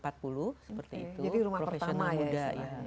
jadi rumah pertama ya